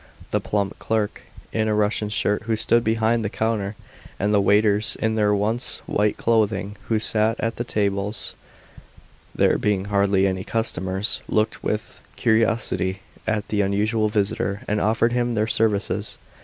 The plump clerk in a Russian shirt, who stood behind the counter, and the waiters in their once white clothing who sat at the tables (there being hardly any customers) looked with curiosity at the unusual visitor and offered him their services.